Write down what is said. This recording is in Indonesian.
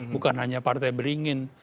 bukan hanya partai beringin